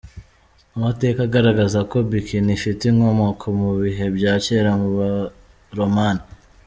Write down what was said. Amateka agaragaza ko “Bikini” ifite inkomoko mu bihe bya cyera mu Baromani.